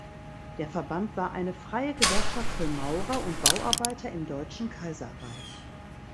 Der Verband war eine freie Gewerkschaft für Maurer und Bauarbeiter im Deutschen Kaiserreich.